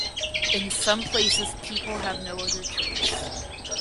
In some places people have no other choice.